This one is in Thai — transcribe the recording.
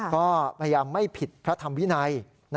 ก็พยายามไม่ผิดพระธรรมวินัย